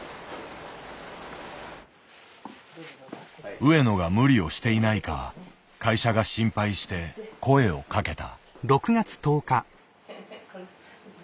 上野が無理をしていないか会社が心配して声を掛けた。